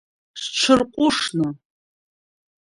Сҽырҟәышны…